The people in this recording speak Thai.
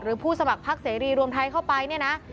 ผู้สมัครพักเสรีรวมไทยเข้าไปเนี่ยนะ